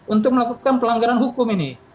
untuk melakukan pelanggaran hukum